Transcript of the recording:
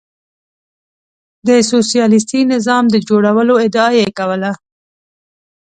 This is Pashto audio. د سوسیالیستي نظام د جوړولو ادعا یې کوله.